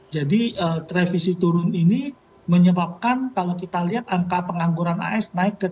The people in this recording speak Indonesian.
jadi revisi turun ini menyebabkan kalau kita lihat angka pengangguran as naik ke tiga delapan